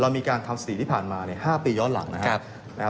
มีการทำสีที่ผ่านมา๕ปีย้อนหลังนะครับ